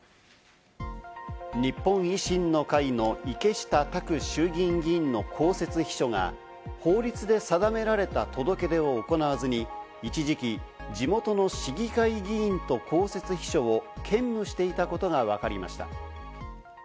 日本維新の会の池下卓衆議院議員の公設秘書が法律で定められた届け出を行わずに、一時期、地元の市議会議員と公設秘書を兼務していたことがわかりました。